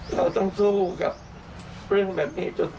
เราต้องสู้กับเรื่องแบบนี้จนตายหรอก